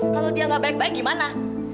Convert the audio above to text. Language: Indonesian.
kalau dia gak baik baik gimana